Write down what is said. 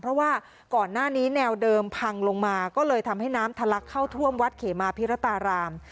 เพราะว่าก่อนหน้านี้แนวเดิมพังลงมาก็เลยทำให้น้ำทะลักเข้าท่วมวัดเขมาพิรตาราม